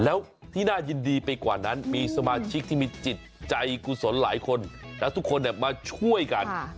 แล้วที่น่ายินดีไปกว่านั้นมีสมาชิกที่มีจิตใจกุศลหลายคนและทุกคนมาช่วยกัน